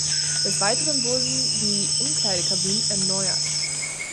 Des Weiteren wurden die Umkleidekabinen erneuert.